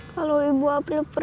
kalau ibu april pergi